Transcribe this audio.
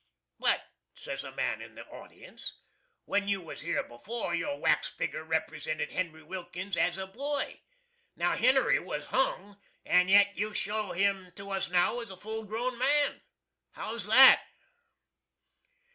"But," says a man in the audience, "when you was here before your wax figger represented HENRY WILKINS as a boy. Now, HENRY was hung, and yet you show him to us now as a full grown man! How's that?"